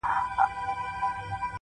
o شاعري سمه ده چي ته غواړې ـ